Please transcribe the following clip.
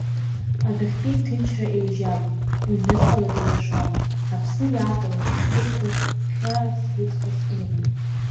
Адәахьтәи иҭынчра еижьаган, ҩныҵҟала деилашуан, Аԥсны иааҟалоз ахҭысқәа хьаасгәыҵхас иман.